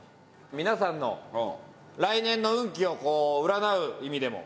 皆さんの来年の運気を占う意味でも。